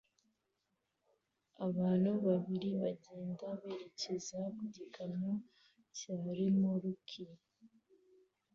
Abantu babiri bagenda berekeza ku gikamyo cya remoruki